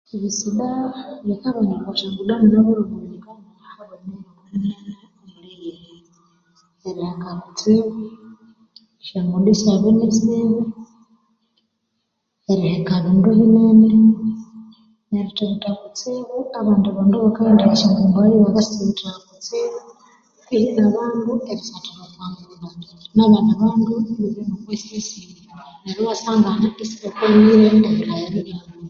Ebisinda bikabanika okwa syaguda imighulhu minene habwe rivunga kutsibu eriheka ebindu binene neritibitata kutsibu omwagunda nabandi bakavunga ibane okwasyasimu